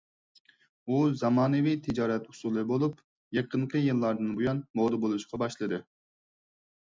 ئۇ زامانىۋى تىجارەت ئۇسۇلى بولۇپ، يېقىنقى يىللاردىن بۇيان مودا بولۇشقا باشلىدى.